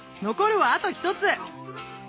残るはあと一つ！